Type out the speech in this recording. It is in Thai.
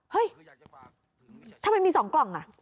เฮ้ยทำไมมี๒กล่องอ่ะ